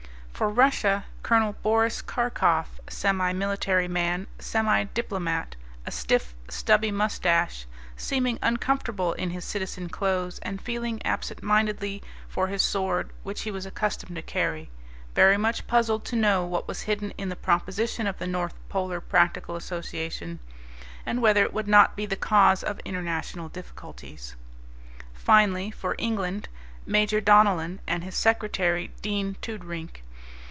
For Russia Col. Boris Karkof, semi military man, semi diplomat; a stiff, stubby mustache, seeming uncomfortable in his citizen clothes and feeling absent mindedly for his sword which he was accustomed to carry; very much puzzled to know what was hidden in the proposition of the North Polar Practical Association, and whether it would not be the cause of international difficulties. Finally for England Major Donellan and his secretary, Dean Toodrink.